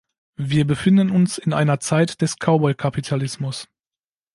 Wir befinden uns in einer Zeit des Cowboy-Kapitalismus.